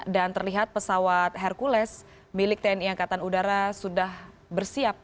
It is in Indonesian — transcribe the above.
dan terlihat pesawat hercules milik tni angkatan udara sudah bersiap